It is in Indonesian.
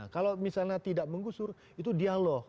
kalau misalnya tidak menggusur itu dialog